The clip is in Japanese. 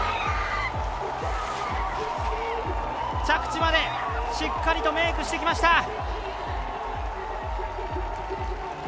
着地までしっかりとメークしてきました。